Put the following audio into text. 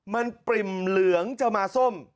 มันปริ่มเหลืองจะมาส้ม